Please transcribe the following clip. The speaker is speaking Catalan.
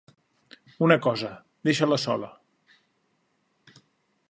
Una cosa: deixa-la sola.